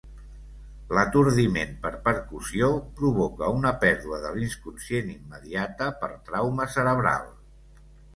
L'atordiment per percussió provoca una pèrdua de l'inconscient immediata per trauma cerebral.